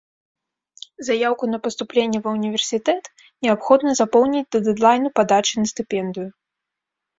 Заяўку на паступленне ва універсітэт неабходна запоўніць да дэдлайну падачы на стыпендыю.